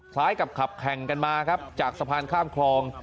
คล้ายกับขับแข่งกันมาครับจากสะพานข้ามคลอง